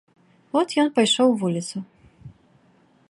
От ён пайшоў у вуліцу.